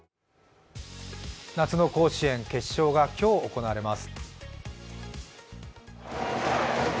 夏の甲子園決勝が今日、行われます。